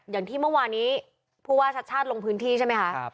อย่างที่เมื่อวานี้ผู้ว่าชัดชาติลงพื้นที่ใช่ไหมคะ